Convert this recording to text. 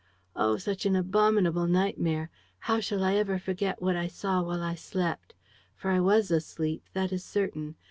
"Oh, such an abominable nightmare! How shall I ever forget what I saw while I slept? For I was asleep, that is certain.